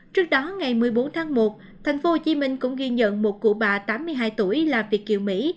trước đó ngày một mươi bốn tháng một tp hcm cũng ghi nhận một cụ bà tám mươi hai tuổi là việt kiều mỹ